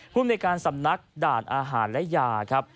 พรุ่งในการสำนักด่านอาหารและยา